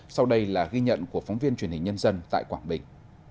sau đây là ghi nhận của phóng viên truyền hình nhân dân tại quảng bình